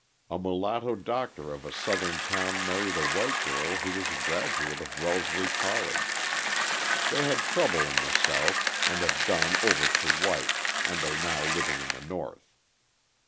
A mulatto doctor of a Southern town married a white girl who was a graduate of Wellesley College; they had trouble in the South and have "gone over to white" and are now living in the North.